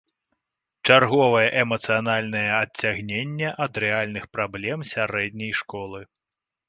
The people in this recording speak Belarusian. Чарговае эмацыянальны адцягненне ад рэальных праблем сярэдняй школы.